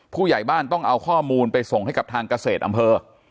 ผู้ใหญ่บ้านต้องเอาข้อมูลไปส่งให้กับทางเกษตรอำเภอ